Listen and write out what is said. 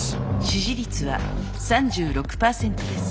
支持率は３６％です。